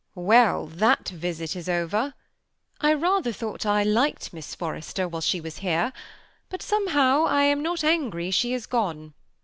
£ll, tbat visit is over. I rather thought I likeS Forrester while she was here; but somekow I ', sorry she is gone.